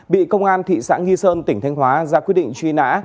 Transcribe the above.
bị công an thị xã nghi sơn tỉnh thanh hóa ra quyết định truy nã